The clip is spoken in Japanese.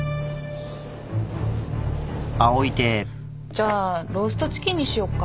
じゃローストチキンにしよっか。